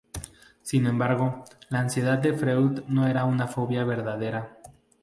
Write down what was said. Sin embargo, la ansiedad de Freud no era una fobia "verdadera".